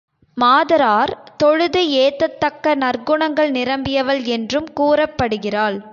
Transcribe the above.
மாதரார் தொழுது ஏத்தத் தக்க நற்குணங்கள் நிரம்பியவள் என்றும் கூறப்படுகிறாள்.